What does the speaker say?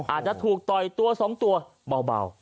อาจจะถูกต่อยตัว๒ตัวเบา